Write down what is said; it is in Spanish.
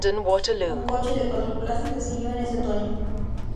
Un coche de cuatro plazas le siguió en ese otoño.